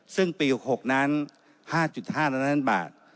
ซึ่งปี๖๖นั้น๕๕ล้านล้านบาท